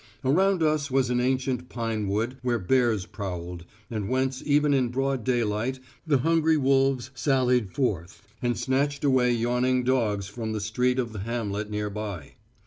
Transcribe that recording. Around us was an ancient pine wood where bears prowled, and whence even in broad daylight the hungry wolves sallied forth and snatched away yawning dogs from the street of the hamlet near by.